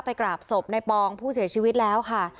กราบศพในปองผู้เสียชีวิตแล้วค่ะ